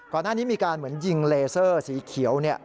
ก่อนหน้านี้มีการเหมือนยิงเลเซอร์สีเขียว